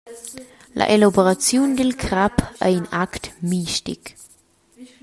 La elaboraziun dil crap ei in act mistic.